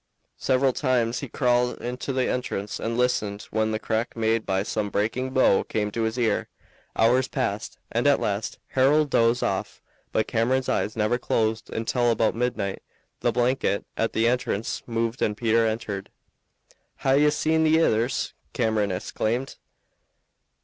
Several times he crawled to the entrance and listened when the crack made by some breaking bough came to his ear. Hours passed and at last Harold dozed off, but Cameron's eyes never closed until about midnight the blanket at the entrance moved and Peter entered. "Hae ye seen the ithers?" Cameron exclaimed.